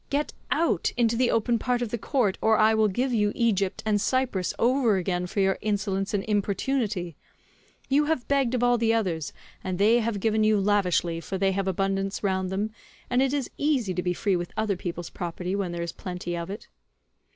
Get out, into the open part of the court,145 or I will give you Egypt and Cyprus over again for your insolence and importunity; you have begged of all the others, and they have given you lavishly, for they have abundance round them, and it is easy to be free with other people's property when there is plenty of it."